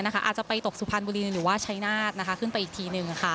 อาจจะไปตกสุพรรณบุรีหรือว่าชัยนาธขึ้นไปอีกทีหนึ่ง